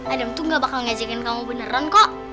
adam tuh gak bakal ngejekin kamu beneran kok